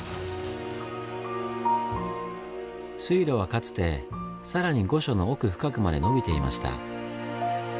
水路はかつて更に御所の奥深くまでのびていました。